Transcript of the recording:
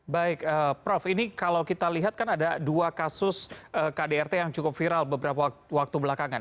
baik prof ini kalau kita lihat kan ada dua kasus kdrt yang cukup viral beberapa waktu belakangan